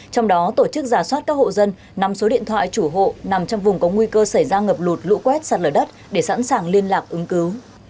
trong đó tổ chức giả soát các hộ dân nằm số điện thoại chủ hộ nằm trong vùng có nguy cơ xảy ra ngập lụt lũ quét sạt lở đất để sẵn sàng liên lạc ứng cứu